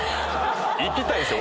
行きたいですよ